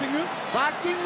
バッティング！